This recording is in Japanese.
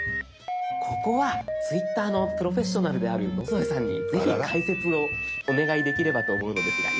ここはＴｗｉｔｔｅｒのプロフェッショナルである野添さんにぜひ解説をお願いできればと思うのですがよろしいでしょうか？